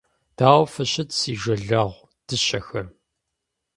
Дауэ фыщыт, си жылэгъу дыщэхэ!